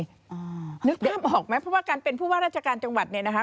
นึกกล้าออกไหมเพราะว่าการเป็นผู้ว่าราชการจังหวัดเนี่ยนะคะ